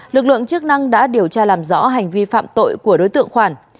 lực lượng chức năng đã điều tra làm rõ hành vi phạm tội của đối tượng khoản